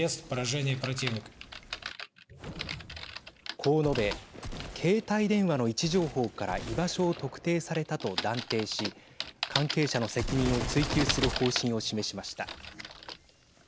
こう述べ携帯電話の位置情報から居場所を特定されたと断定し関係者の責任を追及する方針を示しました。